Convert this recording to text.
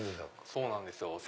そうなんですよ。